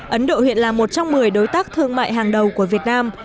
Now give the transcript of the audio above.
ấn độ hiện là một trong một mươi đối tác thương mại hàng đầu của việt nam